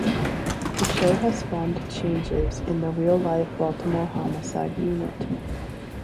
The show has spawned changes in the real life Baltimore homicide unit.